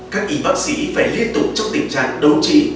các y bác sĩ phải liên tục trong tình trạng đô trị